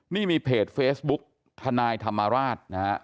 นี่มีเพจเฟซบุ๊กทนายธรรมราชนะฮะ